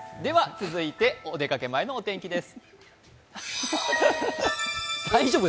続いてはお出かけ前のお天気です。